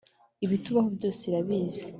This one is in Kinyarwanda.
Ibitubaho byose irabizi